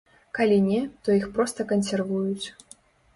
Калі не, то іх проста кансервуюць.